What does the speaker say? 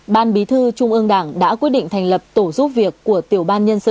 ban bí thư trung ương đảng đã quyết định thành lập tổ giúp việc của tiểu ban nhân dân